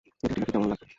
এটায় টিনাকে কেমন লাগবে?